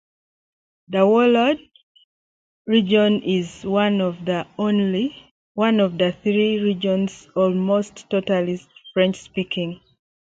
The Walloon Region is one of the three regions, almost totally French-speaking.